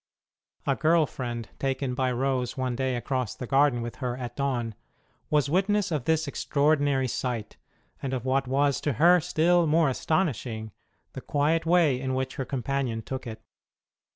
A girl friend, taken by Rose one day across the garden with her at dawn ... was witness of this extraordinary sight, and of what was to her still more astonishing, the quiet way in which her companion took it.